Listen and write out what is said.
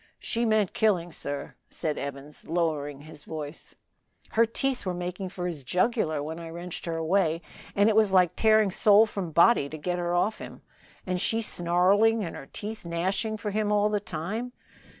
She meant killing. Sir," said Evans, lowering his voice, "her teeth were making for his jugular when I wrenched her away, and it was like tearing soul from body to get her off him, and she snarling and her teeth gnashing for him all the time."